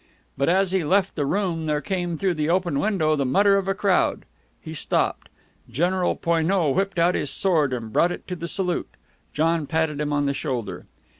But as he left the room there came through the open window the mutter of a crowd. He stopped. General Poineau whipped out his sword, and brought it to the salute. John patted him on the shoulder.